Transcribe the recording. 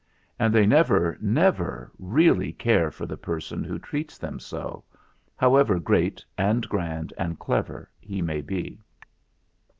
And they never, never really care for the person who treats them so, however great and grand and clever he may be.